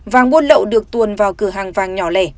vàng buôn lậu được tuồn vào cửa hàng vàng nhỏ lẻ